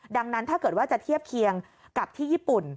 ดังนั้นถ้าเกิดว่าจะเทียบเคียงกับที่ญี่ปุ่น